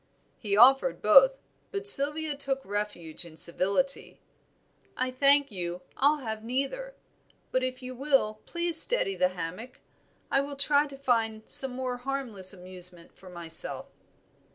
He offered both; but Sylvia took refuge in civility. "I thank you, I'll have neither; but if you will please steady the hammock, I will try to find some more harmless amusement for myself."